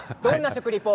どんな食リポ？